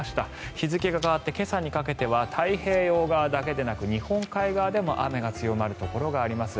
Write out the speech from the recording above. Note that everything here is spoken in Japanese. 日付が変わって今朝にかけては太平洋側だけでなく日本海側でも雨が強まるところがあります。